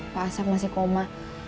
pak asep masih koma